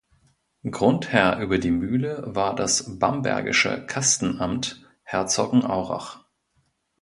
Grundherr über die Mühle war das bambergische Kastenamt Herzogenaurach.